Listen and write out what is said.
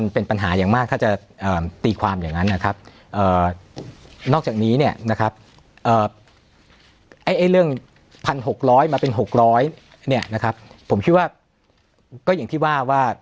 เป็น๖๐๐เนี่ยนะครับผมคิดว่าก็อย่างที่ว่าว่า